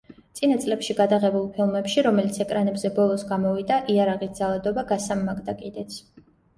წინა წლებში გადაღებულ ფილმებში, რომელიც ეკრანებზე ბოლოს გამოვიდა, იარაღით ძალადობა გასამმაგდა კიდეც.